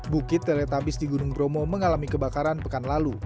bukit teletabis di gunung bromo mengalami kebakaran pekan lalu